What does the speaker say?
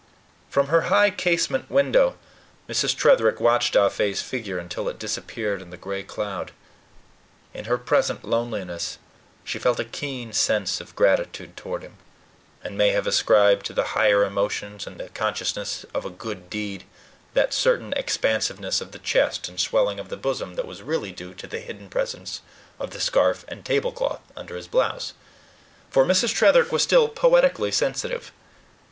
From her high casement window, Mrs. Tretherick watched Ah Fe's figure until it disappeared in the gray cloud. In her present loneliness, she felt a keen sense of gratitude toward him, and may have ascribed to the higher emotions and the consciousness of a good deed that certain expansiveness of the chest, and swelling of the bosom, that was really due to the hidden presence of the scarf and tablecloth under his blouse. For Mrs. Tretherick was still poetically sensitive.